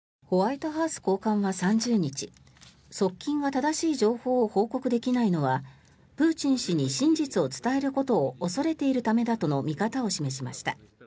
ホワイトハウス高官は３０日側近が正しい情報を報告できないのはプーチン氏に真実を伝えることを恐れているためだとの見方を伝えました。